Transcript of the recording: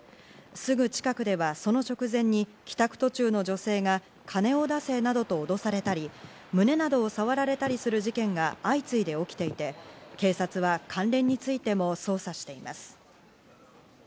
すぐ近くではその直前に帰宅途中の女性が金を出せなどと脅されたり、胸などをさわられたりする事件が相次いで起きていて、警察は関連についても捜査しています。